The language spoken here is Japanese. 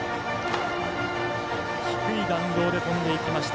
低い弾道で飛んでいきました。